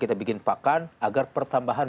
kita bikin pakan agar pertambahan